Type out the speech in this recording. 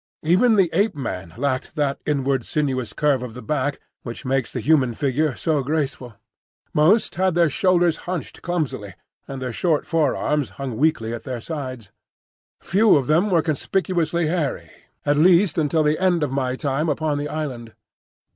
Even the Ape man lacked that inward sinuous curve of the back which makes the human figure so graceful. Most had their shoulders hunched clumsily, and their short forearms hung weakly at their sides. Few of them were conspicuously hairy, at least until the end of my time upon the island.